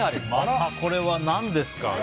またこれは何ですか？